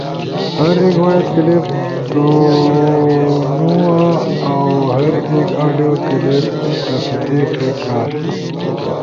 ہر ایک وائس کلپ دونوا، اؤ ہر ایک آڈیو کلپ تصدیقی کار